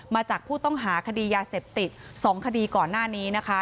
มาจากผู้ต้องหาคดียาเสพติด๒คดีก่อนหน้านี้นะคะ